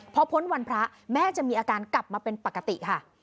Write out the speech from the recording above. พอพ้นวันพระแม่จะมีอาการกลับมาเป็นปกติค่ะ